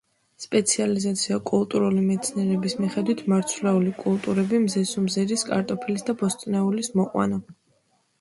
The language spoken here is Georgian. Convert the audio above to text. სპეციალიზაცია კულტურული მცენარეების მიხედვით: მარცვლეული კულტურები, მზესუმზირის, კარტოფილის და ბოსტნეულის მოყვანა.